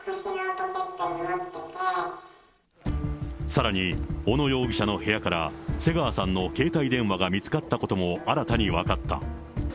さらに小野容疑者の部屋から、瀬川さんの携帯電話が見つかったことも新たに分かった。